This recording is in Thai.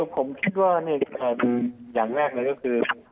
ผมคิดว่าอย่างแรกเลยก็คือ